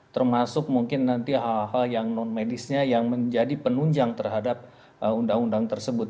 termasuk mungkin nanti hal hal yang non medisnya yang menjadi penunjang terhadap undang undang tersebut